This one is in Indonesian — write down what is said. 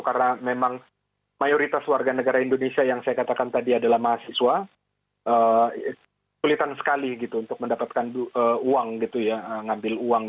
karena memang mayoritas warga negara indonesia yang saya katakan tadi adalah mahasiswa sulitan sekali gitu untuk mendapatkan uang gitu ya ngambil uang